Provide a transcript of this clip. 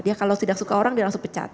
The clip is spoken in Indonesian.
dia kalau tidak suka orang dia langsung pecat